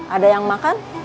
ada yang makan